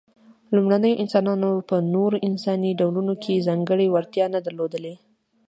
لومړنيو انسانانو په نورو انساني ډولونو کې ځانګړې وړتیا نه درلودلې.